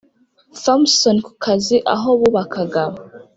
Thomson ku kazi aho bubakaga